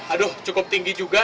aduh cukup tinggi juga